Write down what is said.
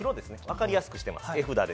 わかりやすくしております。